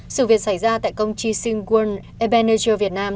sự việc xảy ra tại công ty sinh quân ebenezer việt nam